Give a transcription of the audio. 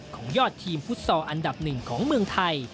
ของยอดทีมฟุตซอลอันดับหนึ่งของเมืองไทย